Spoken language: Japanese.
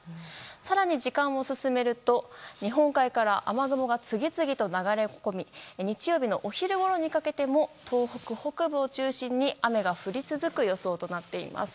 更に時間を進めると日本海から雨雲が次々と流れ込み日曜日のお昼ごろにかけても東北北部を中心に雨が降り続く予想となっています。